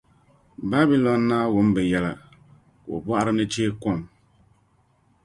Babilɔn naa wum bɛ yɛla, ka o bɔɣiri ni chee kom.